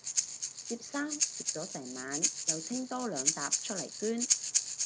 摺衫摺咗成晚又清多兩疊出嚟捐